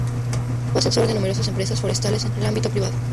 Fue asesor de numerosas empresas forestales en el ámbito privado.